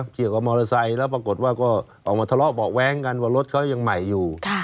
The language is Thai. มอเตอร์ไซค์แล้วปรากฏว่าก็ออกมาทะเลาะเบาะแว้งกันว่ารถเขายังใหม่อยู่